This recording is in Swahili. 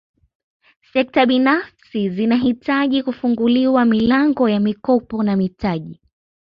Sekta binafsi zinahitaji kufunguliwa milango ya mikopo na mitaji